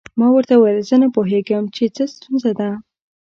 ما ورته وویل زه نه پوهیږم چې څه ستونزه ده.